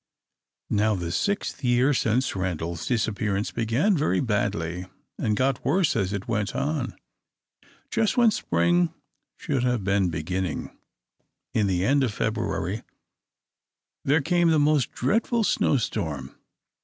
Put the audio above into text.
Now the sixth year since Randal's disappearance began very badly, and got worse as it went on. Just when spring should have been beginning, in the end of February, there came the most dreadful snowstorm.